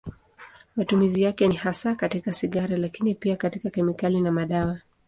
Matumizi yake ni hasa katika sigara, lakini pia katika kemikali na madawa.